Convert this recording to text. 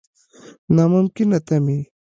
نا ممکنه تمې.